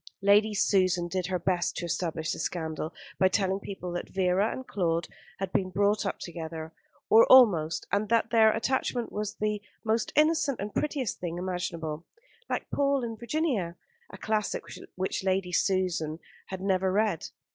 Lady Susan did her best to establish the scandal by telling people that Vera and Claude had been brought up together, or almost, and that their attachment was the most innocent and prettiest thing imaginable "like Paul and Virginia" a classic which Lady Susan had never read.